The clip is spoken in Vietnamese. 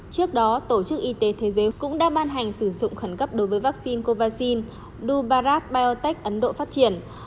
trước đó tổ chức y tế thế giới cũng đã ban hành sử dụng khẩn cấp đối với vaccine covidrad biotech ấn độ phát triển